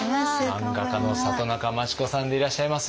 マンガ家の里中満智子さんでいらっしゃいます。